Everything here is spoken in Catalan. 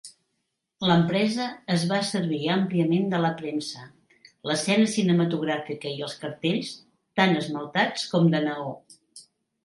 L'empresa es va servir àmpliament de la premsa, l'escena cinematogràfica i els cartells, tant esmaltats com de neó.